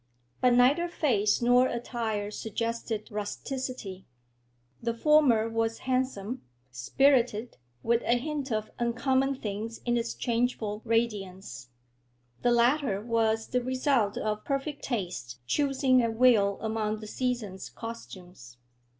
But neither face nor attire suggested rusticity: the former was handsome, spirited, with a hint of uncommon things in its changeful radiance; the latter was the result of perfect taste choosing at will among the season's costumes.